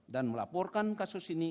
dan melaporkan kasus ini